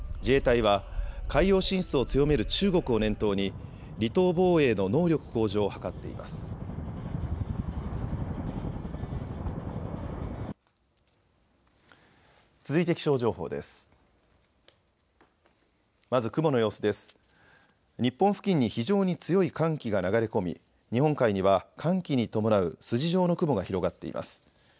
日本付近に非常に強い寒気が流れ込み日本海には寒気に伴う筋状の雲が広がっています。